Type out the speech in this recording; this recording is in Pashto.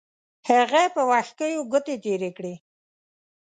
هغه په وښکیو ګوتې تېرې کړې.